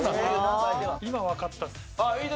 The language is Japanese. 今わかったっす。